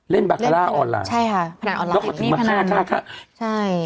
เล่นบาร์คาร้าออนไลน์แล้วก็ถึงมาฆ่าใช่ค่ะพนันออนไลน์